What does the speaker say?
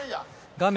画面